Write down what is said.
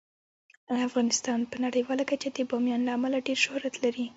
افغانستان په نړیواله کچه د بامیان له امله ډیر شهرت لري.